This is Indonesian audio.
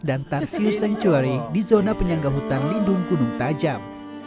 dan tarsius sanctuary di zona penyangga hutan lindung gunung tajam